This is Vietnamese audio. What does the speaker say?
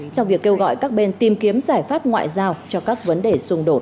trong việc kêu gọi các bên tìm kiếm giải pháp ngoại giao cho các vấn đề xung đột